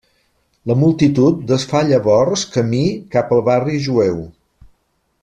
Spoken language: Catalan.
La multitud desfà llavors camí cap al barri jueu.